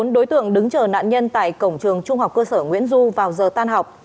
bốn đối tượng đứng chờ nạn nhân tại cổng trường trung học cơ sở nguyễn du vào giờ tan học